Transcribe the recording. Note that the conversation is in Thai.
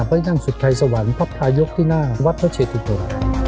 บริการสุทธัยสวรรค์พระพระยกที่หน้าวัดพระเชธุโปร